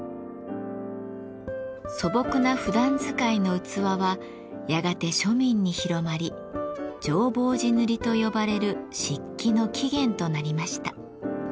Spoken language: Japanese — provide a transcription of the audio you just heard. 素朴なふだん使いの器はやがて庶民に広まり「浄法寺塗」と呼ばれる漆器の起源となりました。